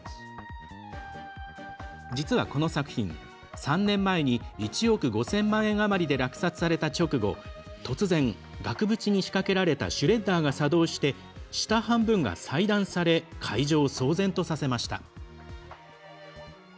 実はこの作品、３年前に１億５０００万円余りで落札された直後突然、額縁に仕掛けられたシュレッダーが作動して下半分が細断され会場を騒然とさせました。